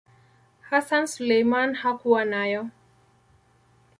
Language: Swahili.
Hassan Suleiman hakuwa nayo.